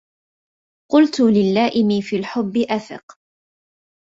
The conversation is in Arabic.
قلت للائم في الحب أفق